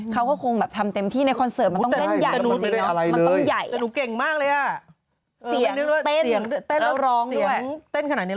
เขาก็คงแบบทำเต็มที่ในคอนเสิร์ตมันต้องเล่นใหญ่